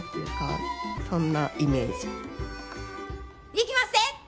いきまっせ！